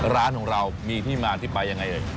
ร้านของเรามีที่มาที่ไปยังไงเอ่ย